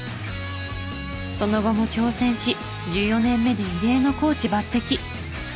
その後も挑戦し１４年目で異例のコーチ抜擢。